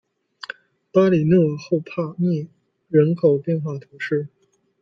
巴里讷后帕涅人口变化图示